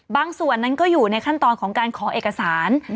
ส่วนนั้นก็อยู่ในขั้นตอนของการขอเอกสาร